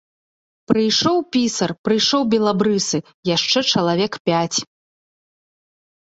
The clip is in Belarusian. Прыйшоў пісар, прыйшоў белабрысы, яшчэ чалавек пяць.